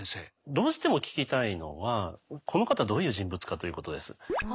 どうしても聞きたいのはこの方どういう人物かということです。